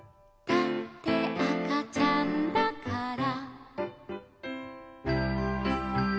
「だってあかちゃんだから」